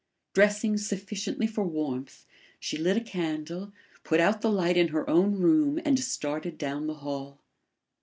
Dressing sufficiently for warmth, she lit a candle, put out the light in her own room and started down the hall.